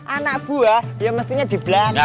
anak buah ya mestinya di belanda